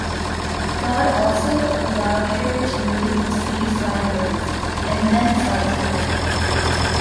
God also allowed her to move the sea side wards and then starts work.